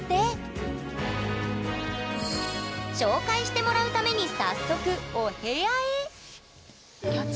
紹介してもらうために早速お部屋へ「キャッツ」？